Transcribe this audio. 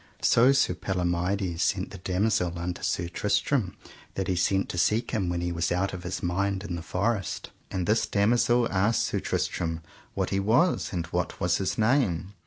So Sir Palomides sent the damosel unto Sir Tristram that he sent to seek him when he was out of his mind in the forest, and this damosel asked Sir Tristram what he was and what was his name?